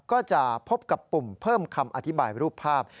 ก็จะพบกับปุ่มเพิ่มคำอธิบายรูปภาพ